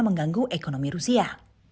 mengganggu ekonomi rusia